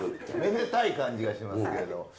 めでたい感じがしますけれど。